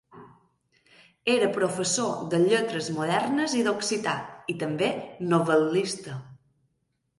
Era professor de Lletres modernes i d'occità, i també novel·lista.